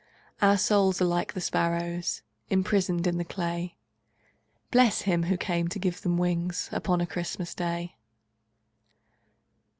Our souls are like the sparrows Imprisoned in the clay, Bless Him who came to give them wings Upon a Christmas Day!